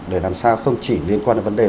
để làm sao không chỉ liên quan đến vấn đề